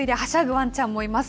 ワンちゃんもいます。